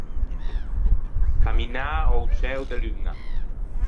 Camminâ a-o ciæo de luña.